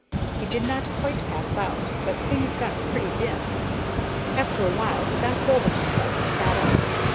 He did not quite pass out, but things got pretty dim. After a while he got hold of himself and sat up.